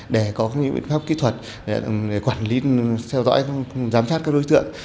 để có các biện pháp kỹ thuật để quản lý theo dõi giám sát các đối tượng